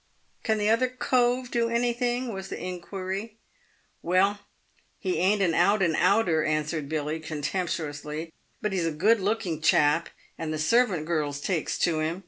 " Can the other cove do anything ?" was the inquiry. " Well, he ain't an out and outer," answered Billy, contemptuously ;" but he's a good looking chap, and the servant girls takes to him.